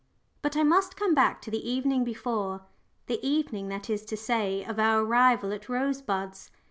But I must come back to the evening before the evening, that is to say, of our arrival at Rosebuds.